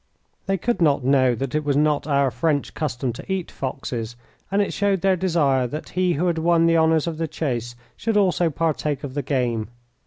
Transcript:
They could not know that it was not our French custom to eat foxes, and it showed their desire that he who had won the honours of the chase should also partake of the game.